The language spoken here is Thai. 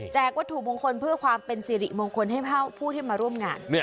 วัตถุมงคลเพื่อความเป็นสิริมงคลให้ผู้ที่มาร่วมงาน